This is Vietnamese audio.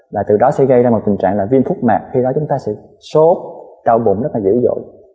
và từ đó sẽ gây ra một tình trạng là viêm phúc mạc khi đó chúng ta sẽ sốt đau bụng rất là dữ dội